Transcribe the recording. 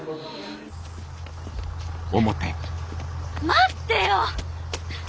待ってよ。